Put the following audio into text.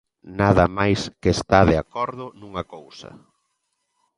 Nada máis que está de acordo nunha cousa.